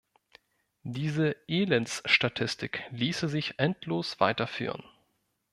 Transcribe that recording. Diese Elendsstatistik ließe sich endlos weiterführen.